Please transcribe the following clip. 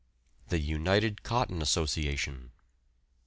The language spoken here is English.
THE UNITED COTTON ASSOCIATION.